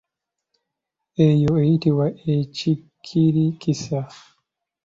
Eyo eyitibwa ekikirikisi.